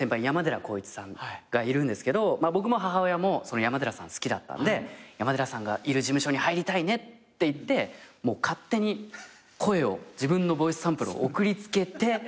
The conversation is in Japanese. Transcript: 山寺宏一さんがいるんですけど僕も母親も山寺さん好きだったんで山寺さんがいる事務所に入りたいねって言って勝手に声を自分のボイスサンプルを送りつけて。